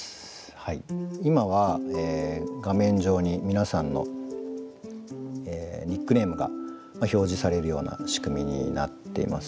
今は画面上に皆さんのニックネームが表示されるような仕組みになっていますね。